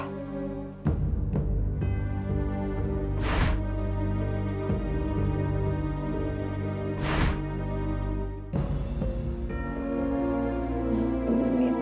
kamu jatuh gara gara mita